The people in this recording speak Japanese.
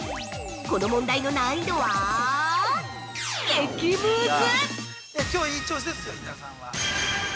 この問題の難易度は激ムズ！